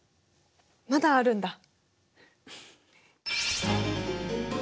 まだあるんだ？